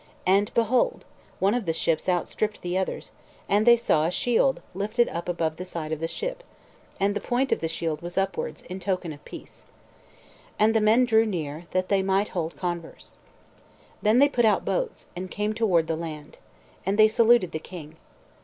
And, behold, one of the ships outstripped the others, and they saw a shield lifted up above the side of the ship, and the point of the shield was upwards, in token of peace. And the men drew near, that they might hold converse. Then they put out boats, and came toward the land. And they saluted the king.